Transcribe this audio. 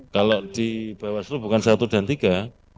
kalau di bawaslu bukan satu dan tiga